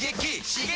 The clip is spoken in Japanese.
刺激！